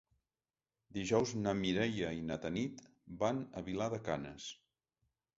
Dijous na Mireia i na Tanit van a Vilar de Canes.